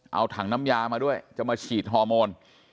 เอาถังน้ำยามาด้วยจะมาฉีดฮอร์โมน